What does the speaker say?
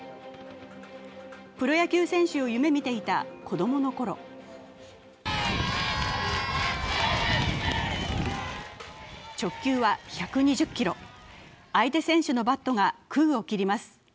プロ野球選手を夢みていた子供の頃直球は１２０キロ、相手選手のバットが空を切ります。